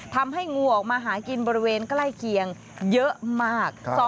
ทำให้งูออกมาหากินบริเวณใกล้เคียงเยอะมาก